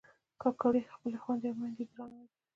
کاکړي خپلې خویندې او میندې درناوي کوي.